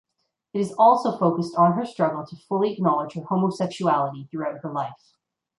It also focused on her struggle to fully acknowledge her homosexuality throughout her life.